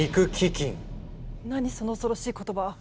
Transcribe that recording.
何その恐ろしい言葉。